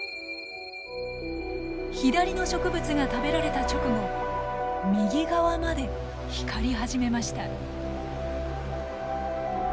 左の植物が食べられた直後右側まで光り始めました。